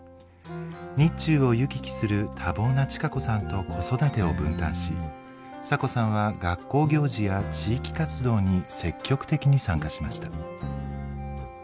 日中を行き来する多忙な千賀子さんと子育てを分担しサコさんは学校行事や地域活動に積極的に参加しました。